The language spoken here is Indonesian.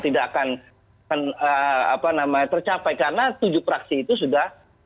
tidak akan tercapai karena tujuh fraksi itu sudah